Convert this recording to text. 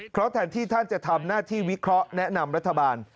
เพราะแทนที่ท่านจะทำหน้าที่วิเคราะห์แนะนำรัฐบาล